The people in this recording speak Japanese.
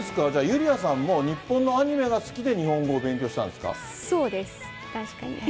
ユリアさんも日本のアニメが好きで、日本語を勉そうです、確かに。